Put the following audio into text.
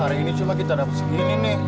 hari ini cuma kita dapat segini nih